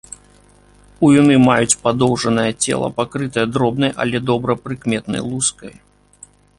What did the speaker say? Уюны маюць падоўжанае цела, пакрытае дробнай, але добра прыкметнай лускай.